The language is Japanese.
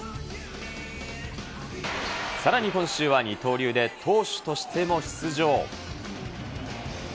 さらに今週は二刀流で投手としても出場。